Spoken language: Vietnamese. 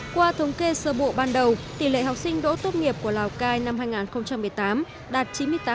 qua thống kê sơ bộ ban đầu tỉ lệ học sinh đỗ tốt nghiệp của lào cai năm hai nghìn một mươi tám đạt chín mươi tám ba mươi chín